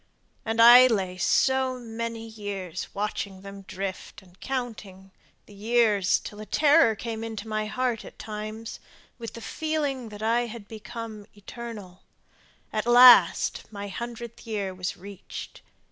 And I lay so many years watching them drift and counting The years till a terror came in my heart at times, With the feeling that I had become eternal; at last My hundredth year was reached!